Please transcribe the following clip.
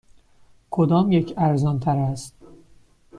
کدامیک ارزان تر است؟